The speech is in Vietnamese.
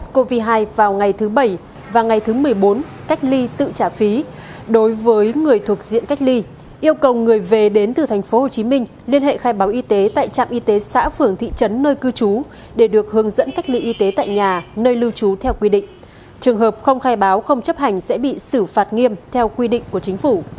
không khai báo không chấp hành sẽ bị xử phạt nghiêm theo quy định của chính phủ